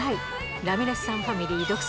ラミレスさんファミリー独占